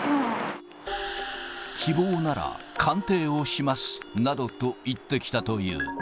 希望なら、鑑定をしますなどと言ってきたという。